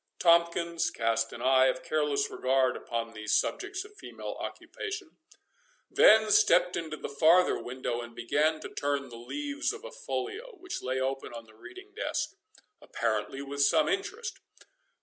Tomkins cast an eye of careless regard upon these subjects of female occupation, then stepped into the farther window, and began to turn the leaves of a folio, which lay open on the reading desk, apparently with some interest.